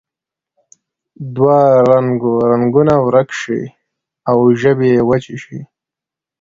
د دوه رنګو رنګونه ورک شي او ژبې یې وچې شي.